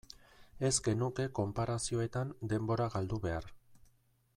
Ez genuke konparazioetan denbora galdu behar.